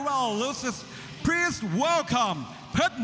วันนี้ดังนั้นก็จะเป็นรายการมวยไทยสามยกที่มีความสนุกความมันความเดือดนะครับ